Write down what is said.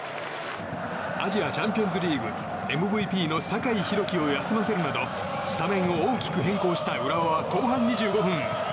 アジアチャンピオンズリーグＭＶＰの酒井宏樹を休ませるなどスタメンを大きく変更した浦和は後半２５分。